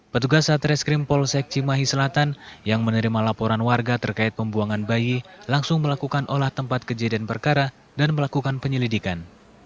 petugas satreskrim polsek cimahi selatan yang menerima laporan warga terkait pembuangan bayi langsung melakukan olah tempat kejadian perkara dan melakukan penyelidikan